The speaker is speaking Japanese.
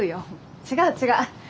違う違う。